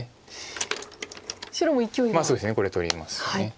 そうですねこれ取ります。